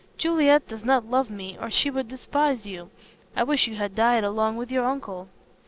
Juliet does not love me or she would despise you. I wish you had died along with your uncle."